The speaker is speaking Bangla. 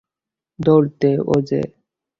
দৌড় দে, ওজে!